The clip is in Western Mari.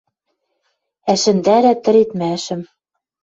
Ӓшӹндӓрӓ тӹредмӓшӹм